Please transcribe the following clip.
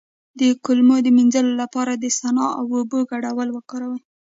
د کولمو د مینځلو لپاره د سنا او اوبو ګډول وکاروئ